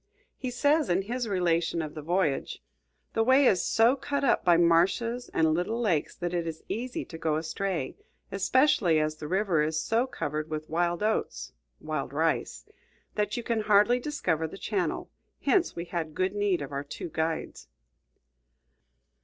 He says, in his relation of the voyage, "The way is so cut up by marshes and little lakes that it is easy to go astray, especially as the river is so covered with wild oats [wild rice] that you can hardly discover the channel; hence, we had good need of our two guides."